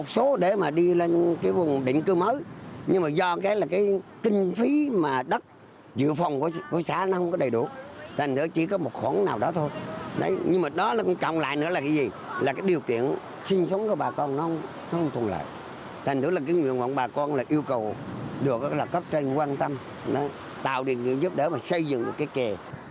sinh sống của bà con nó không thuần lại thành thức là cái nguyện mộng bà con là yêu cầu được là cấp tranh quan tâm tạo được những giúp đỡ mà xây dựng được cái kè